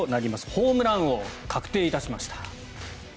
ホームラン王確定いたしました。